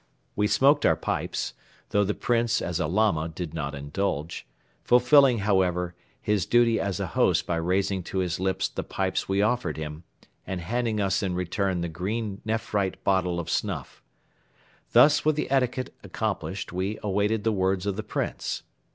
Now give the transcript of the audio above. We smoked our pipes, though the Prince as a Lama did not indulge, fulfilling, however, his duty as a host by raising to his lips the pipes we offered him and handing us in return the green nephrite bottle of snuff. Thus with the etiquette accomplished we awaited the words of the Prince.